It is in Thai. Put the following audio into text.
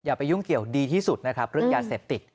อย่าไปยุ่งเกี่ยวดีที่สุดนะครับฤทธิยาเสพติก